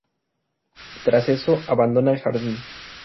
Tras eso, abandona el Jardín.